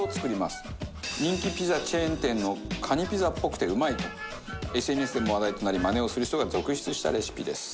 人気ピザチェーン店のカニピザっぽくてうまいとＳＮＳでも話題となりまねをする人が続出したレシピです。